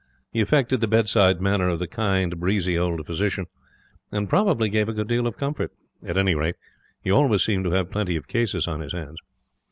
He affected the bedside manner of the kind, breezy old physician; and probably gave a good deal of comfort. At any rate, he always seemed to have plenty of cases on his hands.